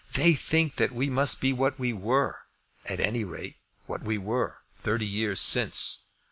They think that we must be what we were, at any rate, what we were thirty years since.